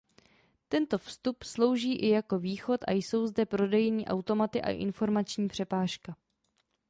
Tento vstup slouží i jako východ a jsou zde prodejní automaty a informační přepážka.